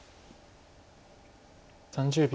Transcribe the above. ３０秒。